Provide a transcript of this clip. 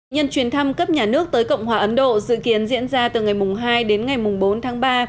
nhân chuyến thăm cấp nhà nước tới cộng hòa ấn độ dự kiến diễn ra từ ngày hai đến ngày bốn tháng ba